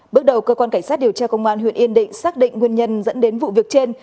bước đầu cơ quan cảnh sát điều tra công an huyện yên định xác định nguyên nhân dẫn đến vụ việc trên